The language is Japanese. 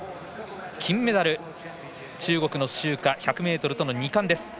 金メダル、中国の周霞１００ｍとの２冠です。